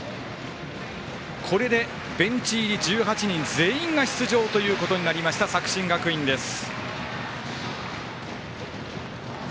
これで、ベンチ入り１８人全員が出場ということになりました作新学院です。